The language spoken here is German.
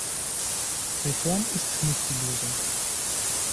Reform ist nicht die Lösung.